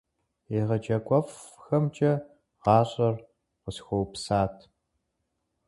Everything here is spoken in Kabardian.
ЕгъэджакӀуэфӀхэмкӀэ гъащӀэр къысхуэупсат.